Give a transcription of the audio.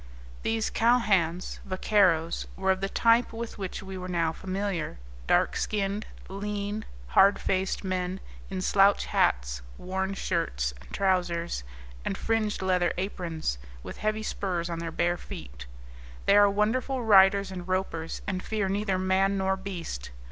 These cowhands, vaqueiros, were of the type with which we were now familiar: dark skinned, lean, hard faced men, in slouch hats, worn shirts and trousers, and fringed leather aprons, with heavy spurs on their bare feet. They are wonderful riders and ropers, and fear neither man nor beast.